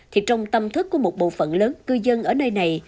thì trong tâm thức của một bộ phận lớn cư dân ở nơi này